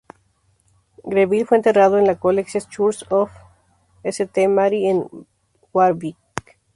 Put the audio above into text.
Greville fue enterrado en la Collegiate Church of St Mary en Warwick.